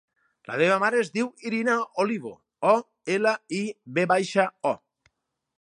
La meva mare es diu Irina Olivo: o, ela, i, ve baixa, o.